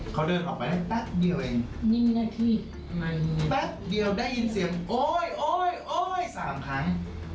เขาเดินออกไปตะเดียวได้ยินเสียงโอ้ยสามครั้ง